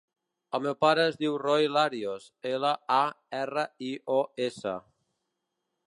El meu pare es diu Roi Larios: ela, a, erra, i, o, essa.